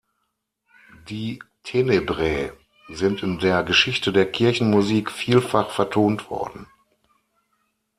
Die "Tenebrae" sind in der Geschichte der Kirchenmusik vielfach vertont worden.